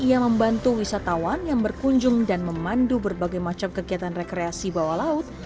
ia membantu wisatawan yang berkunjung dan memandu berbagai macam kegiatan rekreasi bawah laut